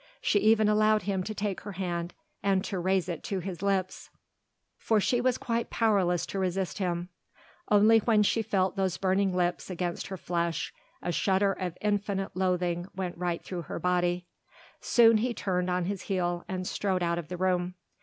She even allowed him to take her hand and to raise it to his lips, for she was quite powerless to resist him; only when she felt those burning lips against her flesh a shudder of infinite loathing went right through her body. Soon he turned on his heel and strode out of the room.